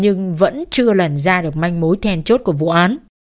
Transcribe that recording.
nhưng vẫn chưa lần ra được manh mối then chốt của vụ án